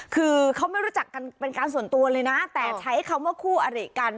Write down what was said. คือเขาไม่รู้จักกันเป็นการส่วนตัวเลยนะแต่ใช้คำว่าคู่อริกัน